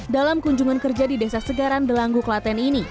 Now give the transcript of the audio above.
dalam kunjungan kerja di desa segaran delanggu klaten ini